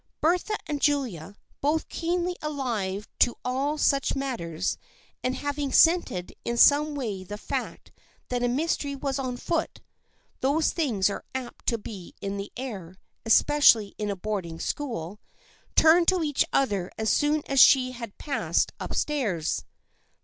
Bertha and Julia, both keenly alive to all such matters, and having scented in some way the fact that a mystery was on foot (those things are apt to be in the air, especially in a boarding school), turned to each other as soon as she had passed up stairs.